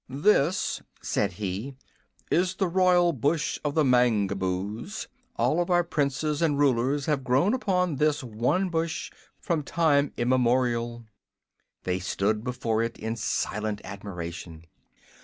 "This," said he, "is the Royal Bush of the Mangaboos. All of our Princes and Rulers have grown upon this one bush from time immemorial." They stood before it in silent admiration.